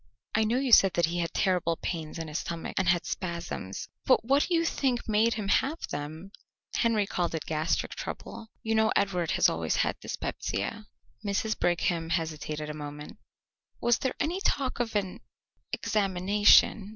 "I know you said that he had terrible pains in his stomach, and had spasms, but what do you think made him have them?" "Henry called it gastric trouble. You know Edward has always had dyspepsia." Mrs. Brigham hesitated a moment. "Was there any talk of an examination?"